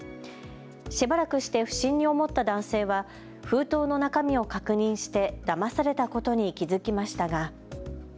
しばらくして不審に思った男性は封筒の中身を確認してだまされたことに気付きましたが。